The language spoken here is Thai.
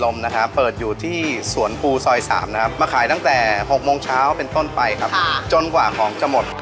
มาขายตั้งแต่หกโมงเช้าเป็นต้นไปต่องกว่าที่จะหมด